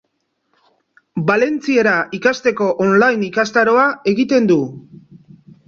Valentziera ikasteko online ikastaroa egiten du.